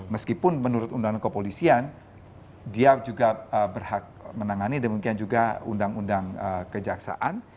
meskipun menurut undang undang kepolisian dia juga berhak menangani dan mungkin juga undang undang kejaksaan